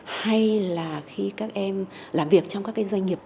hay là khi các em làm việc trong các cái doanh nghiệp